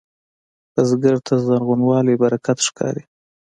بزګر ته زرغونوالی برکت ښکاري